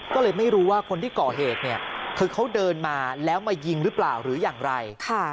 ก็เลยไม่รู้ว่าคนที่ก่อเหตุเนี่ยคือเขาเดินมาแล้วมายิงหรือเปล่าหรืออย่างไร